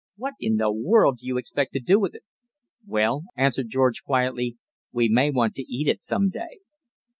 "What in the world do you expect to do with it? "Well," answered George quietly, "we may want to eat it some day."